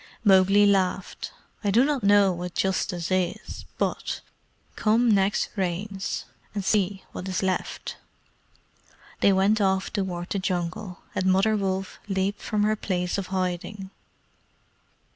Mowgli laughed. "I do not know what justice is, but come next Rains. and see what is left." They went off toward the Jungle, and Mother Wolf leaped from her place of hiding.